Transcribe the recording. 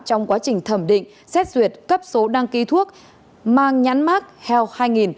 trong quá trình thẩm định xét duyệt cấp số đăng ký thuốc mang nhắn mắc health hai nghìn